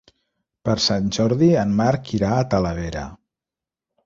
Per Sant Jordi en Marc irà a Talavera.